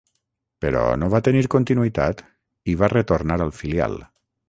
Però, no va tenir continuïtat i va retornar al filial.